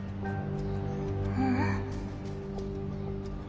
うん？